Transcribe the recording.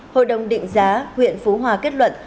hội đồng định giá huyện phú hòa kết luận